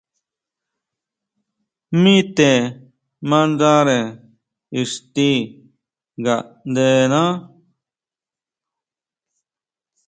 Mi te mandare ixti ngaʼndená.